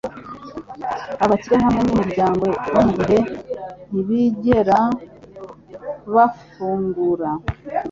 Abakire hamwe n'iminyago yigihe, ntibigeze bafungura;